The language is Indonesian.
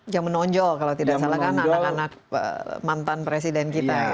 yang menonjol kalau tidak salah kan anak anak mantan presiden kita